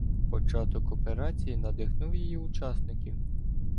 Початок операції надихнув її учасників.